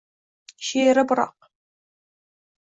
She’ri biroq